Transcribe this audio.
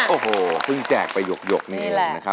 โอ้โหเพิ่งแจกไปหยกนี่แหละ